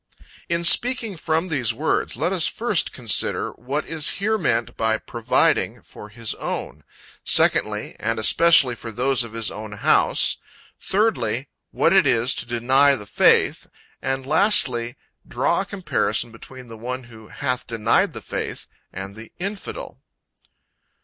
In speaking from these words, let us first consider what is here meant by "providing" for "his own;" secondly, "and especially for those of his own house;" thirdly, what it is to "deny the faith;" and lastly, draw a comparison between the one who "hath denied the faith" and the "infidel."